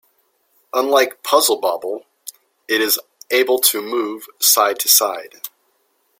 Unlike "Puzzle Bobble", it is able to move side to side.